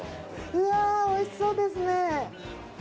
うわ美味しそうですね。